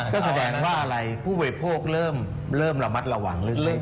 ก็แสดงว่าอะไรผู้บริโภคเริ่มระมัดระวังเรื่อง